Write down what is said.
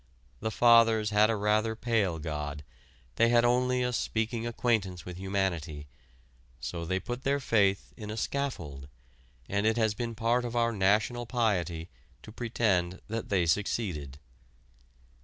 The Fathers had a rather pale god, they had only a speaking acquaintance with humanity, so they put their faith in a scaffold, and it has been part of our national piety to pretend that they succeeded.